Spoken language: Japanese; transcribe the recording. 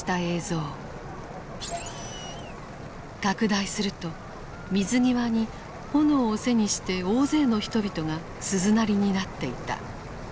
拡大すると水際に炎を背にして大勢の人々が鈴なりになっていた。